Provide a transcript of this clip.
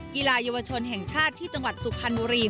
กีฬาเยาวชนแห่งชาติที่จังหวัดสุพรรณบุรี